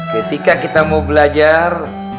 ketika kita mau belajar